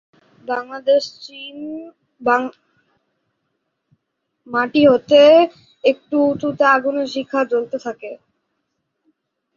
মাটি হতে একটু উঁচুতে আগুনের শিখা জ্বলতে থাকে।